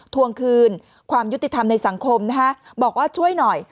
ทวงคืนความยุติธรรมในสังคมนะฮะบอกว่าช่วยหน่อย